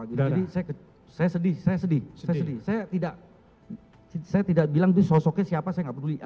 jadi saya sedih saya sedih saya tidak bilang itu sosoknya siapa saya gak peduli